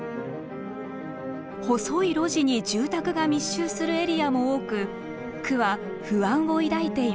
細い路地に住宅が密集するエリアも多く区は不安を抱いています。